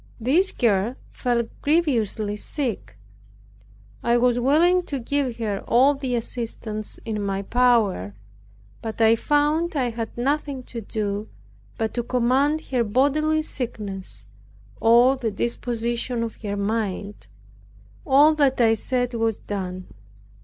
This girl fell grievously sick. I was willing to give her all the assistance in my power, but I found I had nothing to do but to command her bodily sickness, or the disposition of her mind; all that I said was done.